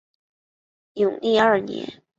永历二年。